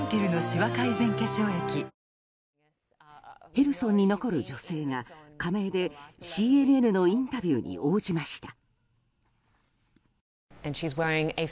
ヘルソンに残る女性が仮名でＣＮＮのインタビューに応じました。